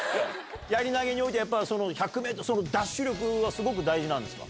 やり投げにおいて、やっぱ１００メートル、ダッシュ力はすごく大事なんですか？